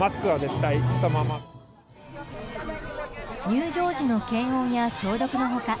入場時の検温や消毒の他